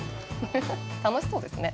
楽しそうですね。